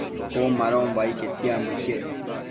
Cun madonbo ai quetianbo iquec